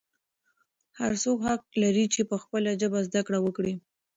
هر څوک حق لري چې په خپله ژبه زده کړه وکړي.